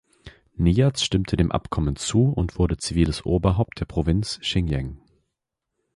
Niyaz stimmte dem Abkommen zu und wurde ziviles Oberhaupt der Provinz Xinjiang.